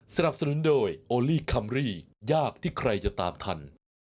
สนับสนุนโดยโอลี่คัมรี่ยากที่ใครจะตามทัน